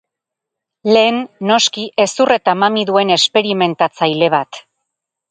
Lehen, noski, hezur eta mami duen esperimentatzaile bat.